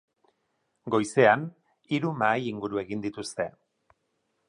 Goizean hiru mahai-inguru egin dituzte.